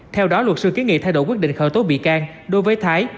theo đó luật sư kiến nghị thay đổi quyết định khởi tố bị can đối với thái